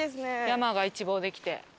山が一望できて。